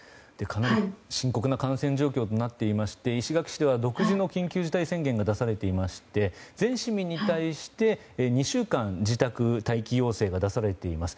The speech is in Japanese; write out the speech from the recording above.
深刻な感染状況で石垣市では独自の緊急事態宣言が出されていまして全市民に対して２週間、自宅待機要請が出されています。